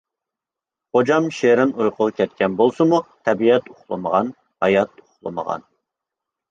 غوجام شېرىن ئۇيقۇغا كەتكەن بولسىمۇ... تەبىئەت ئۇخلىمىغان، ھايات ئۇخلىمىغان،